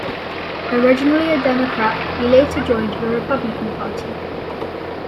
Originally a Democrat, he later joined the Republican Party.